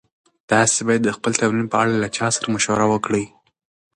تاسي باید د خپل تمرین په اړه له چا سره مشوره وکړئ.